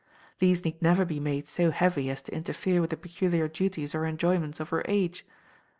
These need never be made so heavy as to interfere with the peculiar duties or enjoyments of her age.